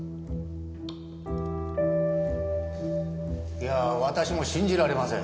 いや私も信じられません。